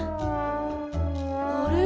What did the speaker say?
あれ？